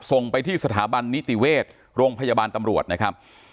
ส่งไปที่สถาบันนิติเวชโรงพยาบาลตำรวจนะครับ